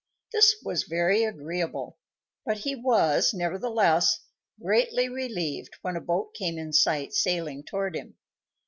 This was very agreeable; but he was, nevertheless, greatly relieved when a boat came in sight sailing toward him.